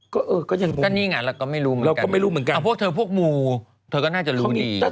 ก็สะดอกยังไงเราก็ไม่รู้เหมือนกันพวกเธอพวกมูเธอก็น่าจะรู้ดี